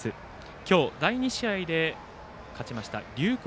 今日、第２試合で勝ちました龍谷